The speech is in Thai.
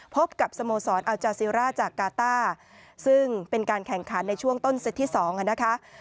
พบกับสโมสรอัลจาซิร่าจากกาต้าซึ่งเป็นการแข่งขันในช่วงต้นเซตที่๒นะคะ